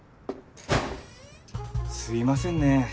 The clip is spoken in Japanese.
すいませんね